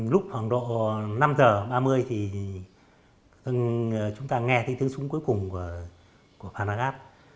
lúc khoảng độ năm giờ ba mươi thì chúng ta nghe tiếng súng cuối cùng của phanagap